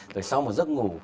rồi sau một giấc ngủ